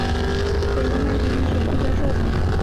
北京大学医学部教授。